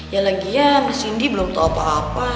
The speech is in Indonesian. ya lagian sindi belum tau apa apa